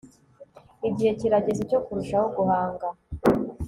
igihe kirageze cyo kurushaho guhanga